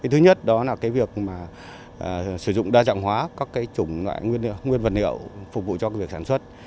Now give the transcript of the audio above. thứ nhất đó là việc sử dụng đa dạng hóa các chủng loại nguyên vật liệu phục vụ cho việc sản xuất